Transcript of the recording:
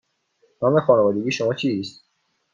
نام خانوادگی شما چیست؟